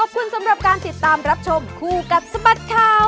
ขอบคุณสำหรับการติดตามรับชมคู่กับสบัดข่าว